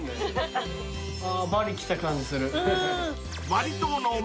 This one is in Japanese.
バリ来た感じする。